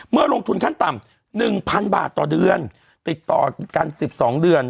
เมื่อลงทุนขั้นต่ำหนึ่งพันบาทต่อเดือนติดต่อกันสิบสองเดือน